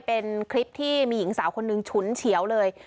เป็นคลิปที่มีหญิงสาวคนหนึ่งฉุนเฉียวเลย